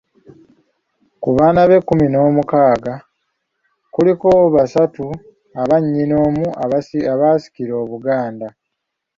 Ku baana be ekkumi n'omukaaga, kuliko basatu abannyinnoomu abaasikira Obuganda.